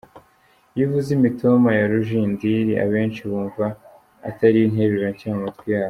Iyo uvuze “Imitoma ya Rujindiri” abenshi bumva atari interuro nshya mu matwi yabo.